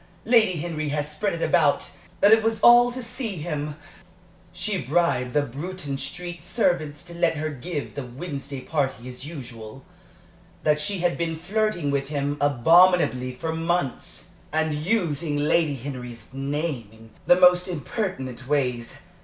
Lady Henry has spread it about that it was all to see him she bribed the Bruton Street servants to let her give the Wednesday party as usual that she had been flirting with him abominably for months, and using Lady Henry's name in the most impertinent ways.